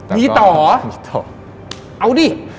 มีต่อเหรอเอาดิ